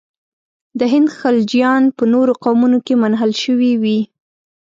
د هند خلجیان په نورو قومونو کې منحل شوي وي.